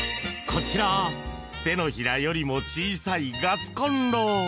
こちら、手のひらよりも小さいガスコンロ。